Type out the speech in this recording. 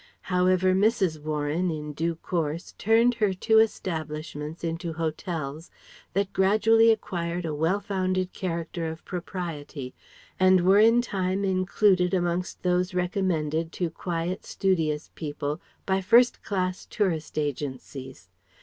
However Mrs. Warren in due course turned her two establishments into hotels that gradually acquired a well founded character of propriety and were in time included amongst those recommended to quiet, studious people by first class tourist agencies.